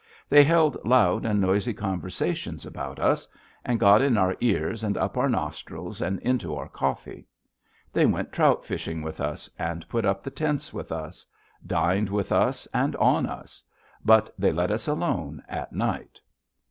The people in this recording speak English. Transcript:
They held loud and noisy conversations about us, and got in our ears and up our nostrils and into our coffee. They went trout fishing with us and put up the tents with us; dined with us and on us. But they let us alone at night.